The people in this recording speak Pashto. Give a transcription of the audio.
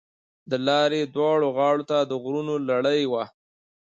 د لارې دواړو غاړو ته د غرونو لړۍ وه.